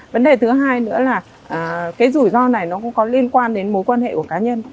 vấn đề thứ hai nữa là cái rủi ro này nó cũng có liên quan đến mối quan hệ của cá nhân